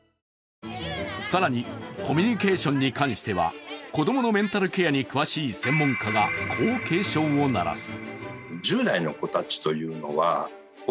更に、コミュニケーションに関しては、子供のメンタルケアに詳しい専門家がこう警鐘を鳴らす。